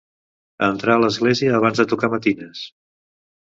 Entrar a l'església abans de tocar matines.